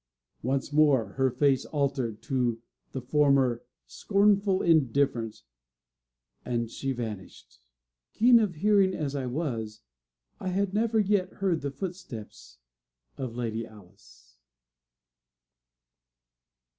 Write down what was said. Once more her face altered to the former scornful indifference, and she vanished. Keen of hearing as I was, I had never yet heard the footstep of Lady Alice.